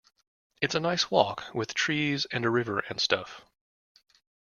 It's a nice walk though, with trees and a river and stuff.